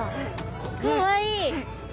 かわいい。